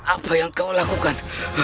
apa yang kau lakukan